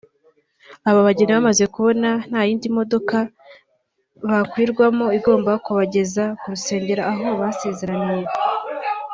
Aba bageni bamaze kubona ko nta yindi modoka bakwirwamo igomba kubageza ku rusengero aho basezeraniye